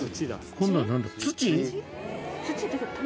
今度は何だ？